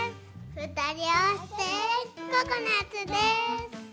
ふたりあわせてココナツです！